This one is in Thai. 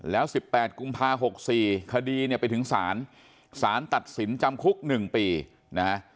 แล้ว๑๘กุมภา๖๔คดีเนี่ยไปถึงศาลศาลตัดสินจำคุก๑ปีนะฮะ